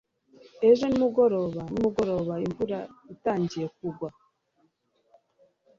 ejo nimugoroba nimugoroba imvura itangiye kugwa